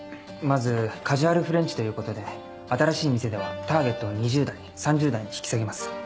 まずカジュアルフレンチということで新しい店ではターゲットを２０代３０代に引き下げます。